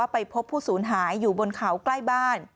ไปพบผู้สูญหายอยู่บนเขาใกล้บ้าน